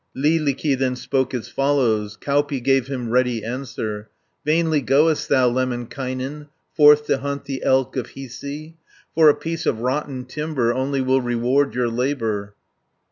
Lyylikki then spoke as follows, Kauppi gave him ready answer: "Vainly goest thou, Lemminkainen, Forth to hunt the elk of Hiisi; For a piece of rotten timber, Only will reward your labour."